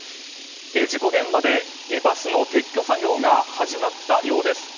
事故現場でバスの撤去作業が始まったようです。